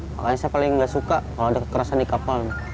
makanya saya paling nggak suka kalau ada kekerasan di kapal